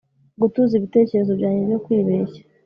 gutuza ibitekerezo byanjye byo kwibeshya